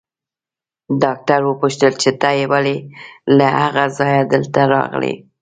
ډاکټر وپوښتل چې ته ولې له هغه ځايه دلته راغلې.